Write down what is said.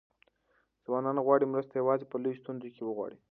ځوانان غواړي مرسته یوازې په لویو ستونزو کې وغواړي.